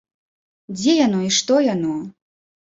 Дзе яно і што яно?